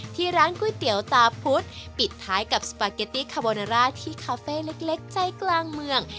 ที่ร้านก๋วยเตี๋ยวตาพุธปิดท้ายกับสปาเกตตี้คาโบนาร่าที่คาเฟ่เล็กใจกลางเมือง